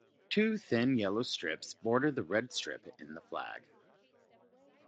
Two thin yellow strips border the red strip in the flag.